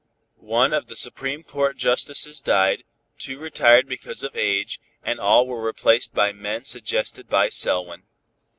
One of the Supreme Court justices died, two retired because of age, and all were replaced by men suggested by Selwyn.